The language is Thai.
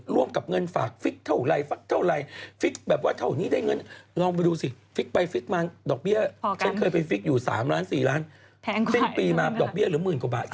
แพงกว่าอย่างนั้นครับครับซิ่งปีมาดอกเบี้ยหรือหมื่นกว่าบาท